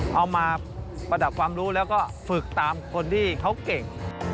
ประดับความรู้แล้วก็ฝึกตามคนที่เขาเก่ง